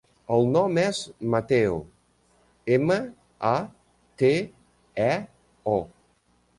El nom és Mateo: ema, a, te, e, o.